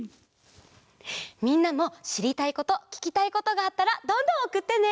みんなもしりたいことききたいことがあったらどんどんおくってね！